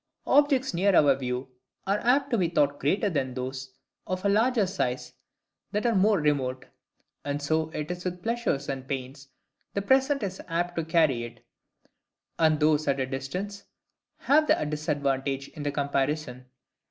Objects near our view are apt to be thought greater than those of a larger size that are more remote. And so it is with pleasures and pains: the present is apt to carry it; and those at a distance have the disadvantage in the comparison.